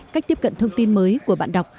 cách tiếp cận thông tin mới của bạn đọc